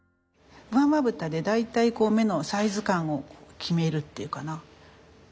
上まぶたで大体目のサイズ感を決めるっていうかな。